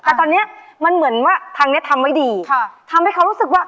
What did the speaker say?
แต่ตอนเนี้ยมันเหมือนว่าทางเนี้ยทำไว้ดีค่ะทำให้เขารู้สึกว่า